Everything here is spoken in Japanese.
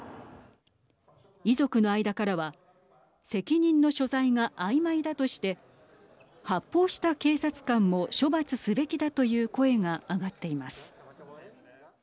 遺族の間からは責任の所在があいまいだとして発砲した警察官も処罰すべきだという声が上がっています。